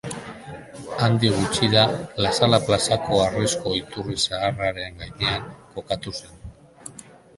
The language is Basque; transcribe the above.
Handik gutxira Lasala plazako harrizko iturri zaharraren gainean, kokatu zen.